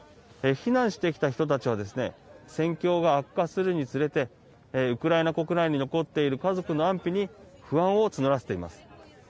避難してきた人たちは戦況が悪化するにつれてウクライナ国内に残っている家族の安否に不安を募らせています。